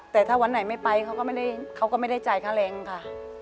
แต่ถ้าวันไหนไม่ไปเขาก็ไม่ได้เขาก็ไม่ได้จ่ายค่าแรงค่ะ